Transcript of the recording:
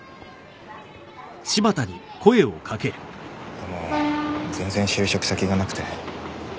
でも全然就職先がなくて。